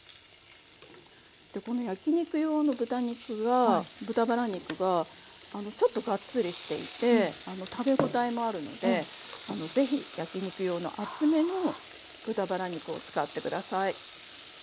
でこの焼き肉用の豚肉は豚バラ肉がちょっとがっつりしていて食べ応えもあるのでぜひ焼き肉用の厚めの豚バラ肉を使って下さい。